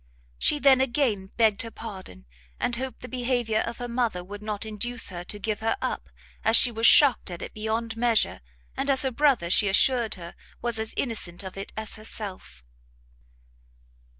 She then again begged her pardon, and hoped the behaviour of her mother would not induce her to give her up, as she was shocked at it beyond measure, and as her brother, she assured her, was as innocent of it as herself.